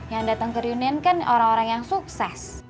yang dateng ke reunian kan orang orang yang sukses